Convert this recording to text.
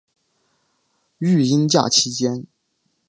育婴假期间